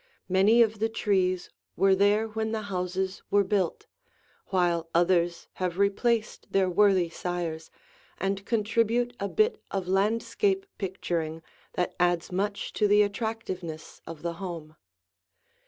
Many of the trees were there when the houses were built, while others have replaced their worthy sires and contribute a bit of landscape picturing that adds much to the attractiveness of the home.